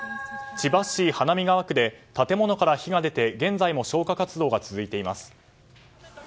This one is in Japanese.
千葉市花見川区で建物から火が出て現在も消火活動が続いています。